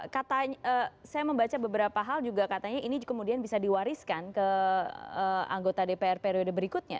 katanya saya membaca beberapa hal juga katanya ini kemudian bisa diwariskan ke anggota dpr periode berikutnya